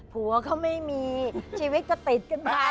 ผัวเขาไม่มีชีวิตก็ติดกันไป